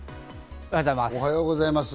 おはようございます。